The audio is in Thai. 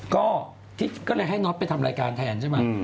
ก็เลยให้น็อตไปทำรายการแทนใช่ไหม